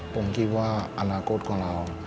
ผมคิดว่าอนาคตของเรา